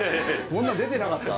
こんなの出てなかった？